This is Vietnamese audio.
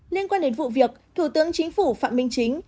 liên quan đến vụ việc thủ tướng chính phủ phạm minh chính